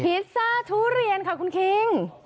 พิซซ่าทุเรียนค่ะคุณคิง